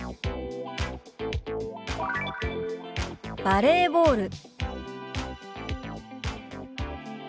「バレーボール」。